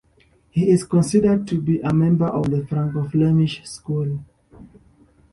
He is considered to be a member of the Franco-Flemish school.